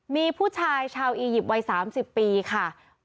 มีผู้ชายชาวอียิปต์วัย๓๐ปีค่ะ